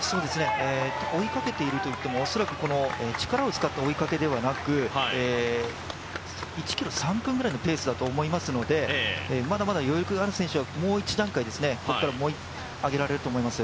追いかけているといっても、恐らく力を使った追いかけではなく１ｋｍ３分ぐらいのペースだと思いますので、まだまだ余力がある選手はもう一段階ここから上げられると思います。